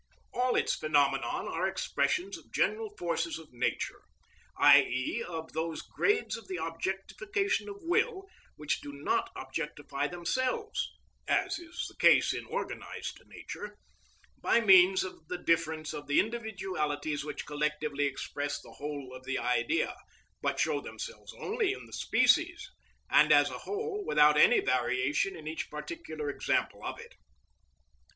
All its phenomena are expressions of general forces of nature, i.e., of those grades of the objectification of will which do not objectify themselves (as is the case in organised nature), by means of the difference of the individualities which collectively express the whole of the Idea, but show themselves only in the species, and as a whole, without any variation in each particular example of it.